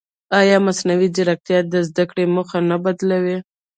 ایا مصنوعي ځیرکتیا د زده کړې موخه نه بدلوي؟